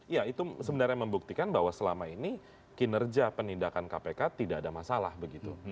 ya itu sebenarnya membuktikan bahwa selama ini kinerja penindakan kpk tidak ada masalah begitu